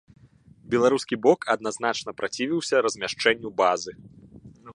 Беларускі бок адназначна працівіўся размяшчэнню базы.